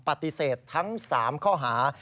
ปฏิเสธทั้ง๓ข้อหา